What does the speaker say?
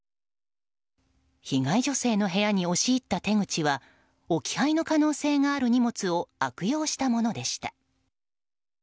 被害女性に部屋に押し入った手口は置き配の可能性がある荷物を悪用したものでした。